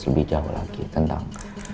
lebih jauh lagi tentang